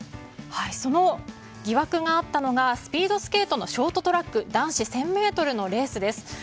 その疑惑があったのがスピードスケートのショートトラック男子１０００ｍのレースです。